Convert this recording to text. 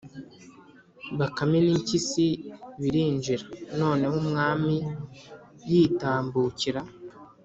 bakame n’impyisi birinjira. noneho umwami yitambukira,